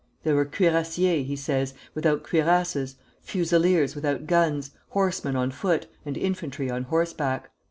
"There were cuirassiers," he says, "without cuirasses, fusileers without guns, horsemen on foot, and infantry on horseback.